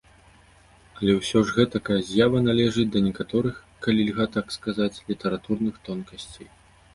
Але ўсё ж гэтакая з'ява належыць да некаторых, калі льга так сказаць, літаратурных тонкасцей.